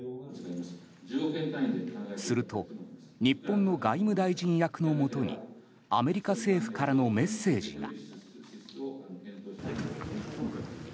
すると日本の外務大臣役のもとにアメリカからのメッセージが。